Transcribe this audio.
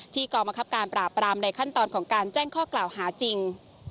กองบังคับการปราบปรามในขั้นตอนของการแจ้งข้อกล่าวหาจริง